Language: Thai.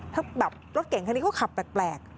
ถ้าแบบรถเก่งคันนี้เขาขับแปลก